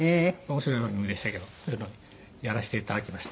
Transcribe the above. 面白い番組でしたけどそういうのをやらせて頂きました。